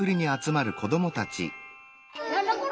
何だこれ！